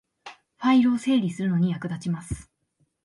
ファイルを整理するのに役立ちます